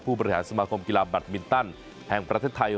บริหารสมาคมกีฬาแบตมินตันแห่งประเทศไทย